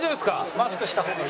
マスクした方がいい。